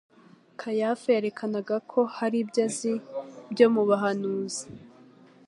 Kayafa yerekanaga ko hari ibyo yari azi byo mu buhanuzi,